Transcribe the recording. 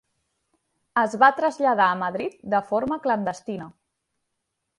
Es va traslladar a Madrid de forma clandestina.